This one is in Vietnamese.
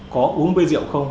có uống bia rượu không